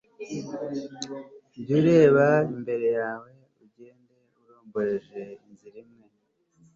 jya ureba imbere yawe, ugende uromboreje inzira imwe